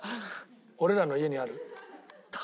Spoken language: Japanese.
俺らの家にある？